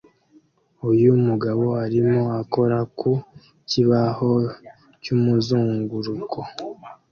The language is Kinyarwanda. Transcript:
Uyu mugabo arimo akora ku kibaho cyumuzunguruko